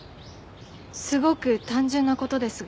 すごく単純な事ですが。